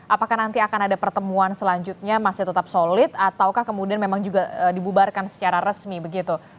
apakah nanti akan ada pertemuan selanjutnya masih tetap solid ataukah kemudian memang juga dibubarkan secara resmi begitu